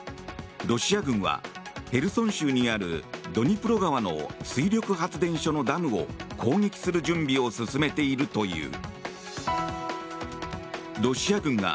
ロシア軍はヘルソン州にあるドニプロ川の水力発電所のダムを攻撃する準備を進めているという。